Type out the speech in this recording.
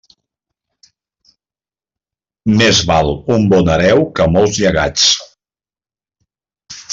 Més val un bon hereu que molts llegats.